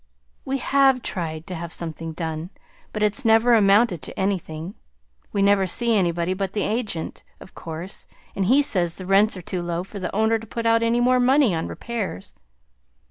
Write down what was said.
"We have tried to have something done, but it's never amounted to anything. We never see anybody but the agent, of course; and he says the rents are too low for the owner to put out any more money on repairs."